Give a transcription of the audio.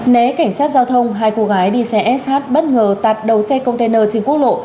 né cảnh sát giao thông hai cô gái đi xe sh bất ngờ tạt đầu xe container trên quốc lộ